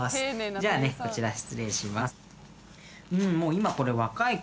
じゃあこちら失礼します。